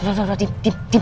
udah udah tim tim tim